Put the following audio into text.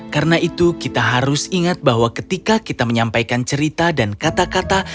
karena itu kita harus ingat bahwa ketika kita menyampaikan cerita dan kata kata